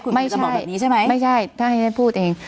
ไม่จะบอกแบบนี้ใช่ไหมไม่ใช่ถ้าให้ฉันพูดเอง